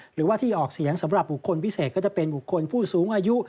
หรือว่าที่ออกเสียงสำหรับบุคคลพิเศษก็จะเป็นบุคคลผู้สูงอายุ